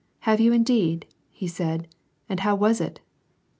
" Have you indeed !" said he, "and how was it?